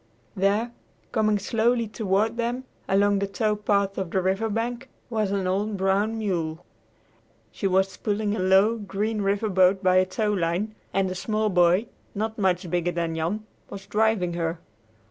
There, coming slowly toward them along the tow path on the river bank, was an old brown mule. She was pulling a low, green river boat by a towline, and a small boy, not much bigger than Jan, was driving her.